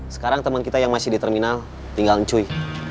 sekarang teman kita yang masih di terminal tinggal cui